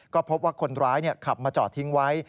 ก็พบว่าคนร้ายขับมาจอดทิ้งไว้